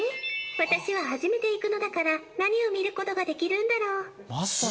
私は初めて行くのだから何を見ることができるんだろう？